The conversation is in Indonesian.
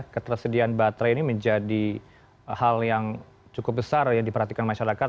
ketersediaan baterai ini menjadi hal yang cukup besar ya diperhatikan masyarakat